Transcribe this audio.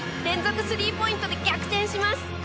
連続３ポイントで逆転します！